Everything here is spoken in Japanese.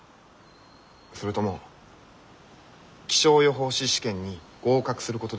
それとも気象予報士試験に合格することですか？